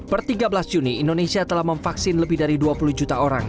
per tiga belas juni indonesia telah memvaksin lebih dari dua puluh juta orang